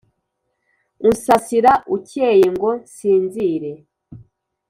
unsasira ukeye ngo nsinzire.